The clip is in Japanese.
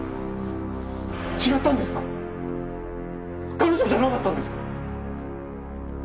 彼女じゃなかったんですか？